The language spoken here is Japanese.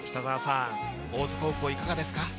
大津高校、いかがですか？